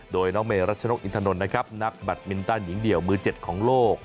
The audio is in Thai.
โดยน้องเมรัชนกอินทนนท์นะครับนักแบตมินตันหญิงเดี่ยวมือ๗ของโลก